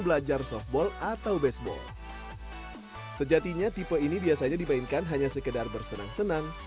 belajar softball atau baseball sejatinya tipe ini biasanya dimainkan hanya sekedar bersenang senang